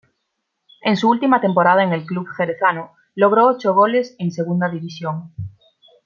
En su última temporada en el club jerezano, logró ocho goles en Segunda División.